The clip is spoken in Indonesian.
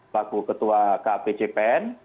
pak ketua kap jpn